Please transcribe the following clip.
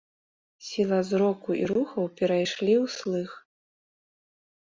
Сіла зроку і рухаў перайшлі ў слых.